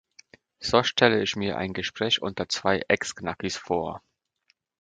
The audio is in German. So stelle ich mir ein Gespräch unter zwei Ex-Knackis vor.